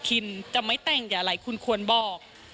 คินจะไม่แต่งอย่าอะไรคุณควรบอก